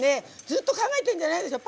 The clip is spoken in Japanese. ずっと考えてんじゃないでしょ